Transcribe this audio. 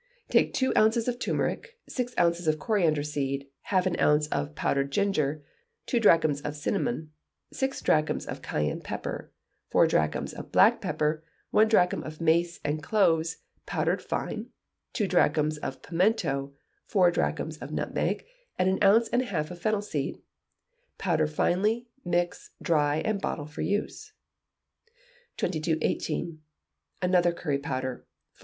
Take two ounces of turmeric, six ounces of coriander seed, half an ounce of powdered ginger, two drachms of cinnamon, six drachms of cayenne pepper, four drachms of black pepper, one drachm of mace and cloves, powdered fine, two drachms of pimento, four drachms of nutmeg, and an ounce and a half of fennel seed; powder finely, mix, dry, and bottle for use. 2218. Another Curry Powder (4).